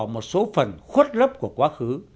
một số phần khuất lấp của quá khứ